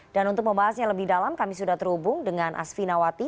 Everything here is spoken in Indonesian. dan untuk membahasnya lebih dalam kami sudah terhubung dengan asfi nawati